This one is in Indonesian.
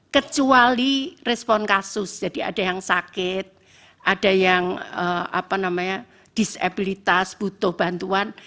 kecuali respon kasus jadi ada yang sakit ada yang disabilitas butuh bantuan